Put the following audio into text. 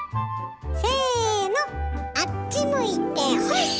せのあっち向いてホイ！